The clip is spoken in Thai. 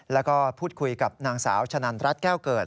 แล้วก็พูดคุยกับนางสาวชะนันรัฐแก้วเกิด